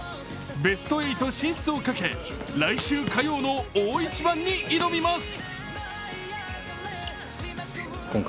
ベスト８進出をかけ、来週火曜の大一番に挑みます。